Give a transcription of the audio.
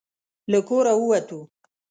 له کوره ووتو.